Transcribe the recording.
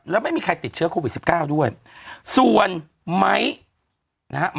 แล้วไม่มีใครติดเชื้อโควิดสิบเก้าด้วยส่วนไม้นะฮะ